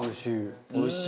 おいしい。